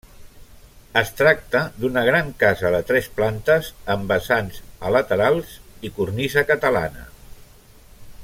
Es tracta d’una gran casa de tres plantes, amb vessants a laterals i cornisa catalana.